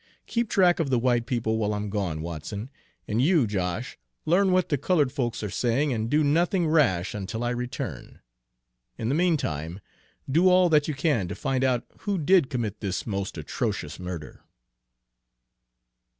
Keep track of the white people while I'm gone, Watson; and you, Josh, learn what the colored folks are saying, and do nothing rash until I return. In the meantime, do all that you can to find out who did commit this most atrocious murder."